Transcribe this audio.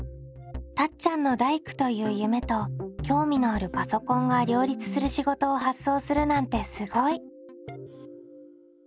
たっちゃんの大工という夢と興味のあるパソコンが両立する仕事を発想するなんてすごい。